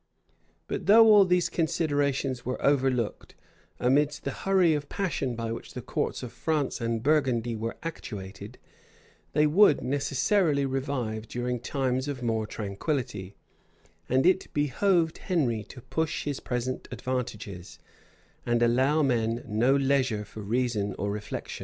But though all these considerations were overlooked, amidst the hurry of passion by which the courts of France and Burgundy were actuated, they would necessarily revive during times of more tranquillity; and it behoved Henry to push his present advantages, and allow men no leisure for reason or reflection.